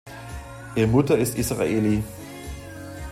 Ihre Mutter ist Israeli.